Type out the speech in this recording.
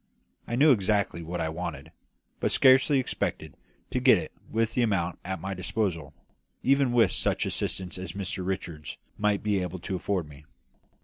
I knew exactly what I wanted, but scarcely expected to get it with the amount at my disposal, even with such assistance as Mr Richards might be able to afford me.